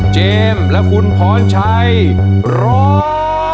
เจมส์และคุณพร้อมชัยร้อง